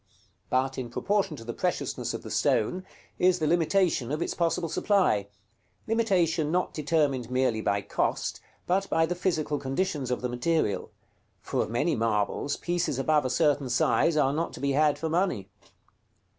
But in proportion to the preciousness of the stone, is the limitation of its possible supply; limitation not determined merely by cost, but by the physical conditions of the material, for of many marbles, pieces above a certain size are not to be had for money.